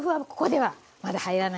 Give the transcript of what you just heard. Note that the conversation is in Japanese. はい。